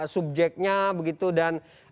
subjeknya begitu dan